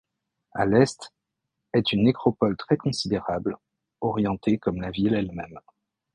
À l'Est, est une nécropole très considérable, orientée comme la ville elle-même.